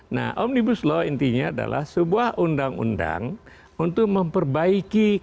nah omnibus law intinya adalah sebuah undang undang untuk memperbaiki